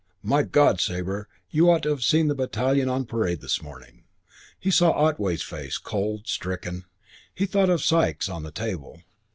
"My God, Sabre, you ought to have seen the battalion on parade this morning." He saw Otway's face cold and stricken. He thought of Sikes, on the table.